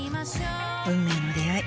運命の出会い。